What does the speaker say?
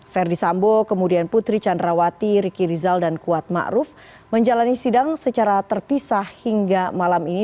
ferdi sambo kemudian putri candrawati riki rizal dan kuat ma'ruf menjalani sidang secara terpisah hingga malam ini